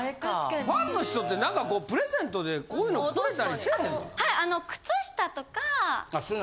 ファンの人って何かこうプレゼントでこういうのくれたりせぇへんの？